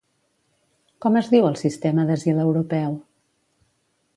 Com es diu el sistema d'asil europeu?